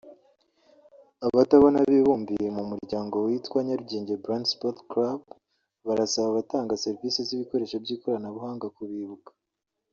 Abatabona bibumbiye mu muryango witwa “Nyarugenge Blind Sports Club” barasaba abatanga serivisi z’ibikoresho by’ikoranabuhanga kubibuka